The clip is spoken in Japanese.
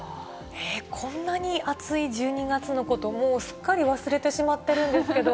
こんなに暑い１２月のこと、もうすっかり忘れてしまってるんですけど。